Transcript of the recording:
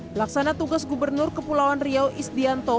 pelaksana tugas gubernur ke pulau riau isdianto